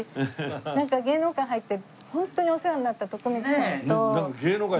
なんか芸能界入ってホントにお世話になった徳光さんと律ちゃん。